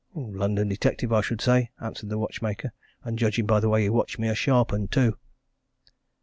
"London detective, I should say," answered the watchmaker. "And judging by the way he watched me, a sharp 'un, too!"